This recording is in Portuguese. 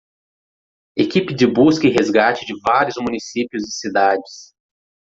Equipe de busca e resgate de vários municípios e cidades